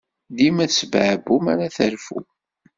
Dima tesbeɛbuɛ mi ara terfu.